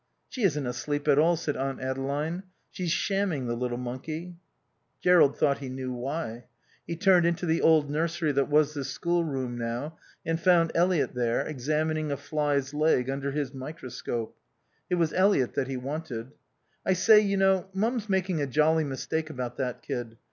"She isn't asleep at all," said Aunt Adeline. "She's shamming, the little monkey." Jerrold thought he knew why. He turned into the old nursery that was the schoolroom now, and found Eliot there, examining a fly's leg under his microscope. It was Eliot that he wanted.. "I say, you know, Mum's making a jolly mistake about that kid.